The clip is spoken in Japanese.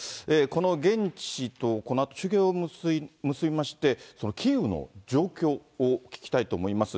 この現地とこのあと中継を結びまして、キーウの状況を聞きたいと思います。